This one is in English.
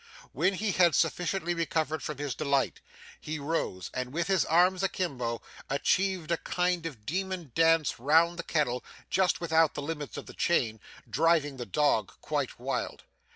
When he had sufficiently recovered from his delight, he rose, and with his arms a kimbo, achieved a kind of demon dance round the kennel, just without the limits of the chain, driving the dog quite wild.